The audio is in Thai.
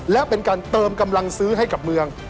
และเป็นการเติมกำลังซื้อให้กับเมือง